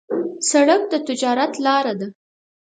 سړک د تجارت لار ده.